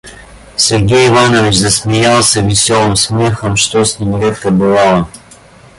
Сергей Иванович засмеялся веселым смехом, что с ним редко бывало.